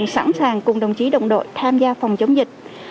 sẵn sàng cùng đồng chí đồng đội tham gia phòng chống dịch